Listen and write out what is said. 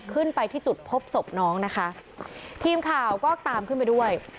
ขึ้นไปที่จุดพบศพน้องนะคะทีมข่าวก็ตามขึ้นไปด้วย